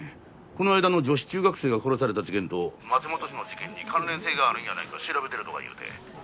こないだの女子中学生が殺された事件と松本氏の事件に関連性があるんやないか調べてるとか言うて。